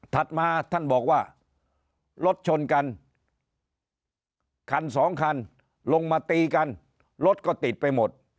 มาท่านบอกว่ารถชนกันคันสองคันลงมาตีกันรถก็ติดไปหมด